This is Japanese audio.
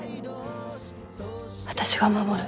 私が守る。